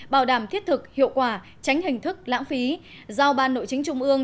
bảo đảm thiết thực hiệu quả tránh hình thức lãng phí giao ban nội chính trung ương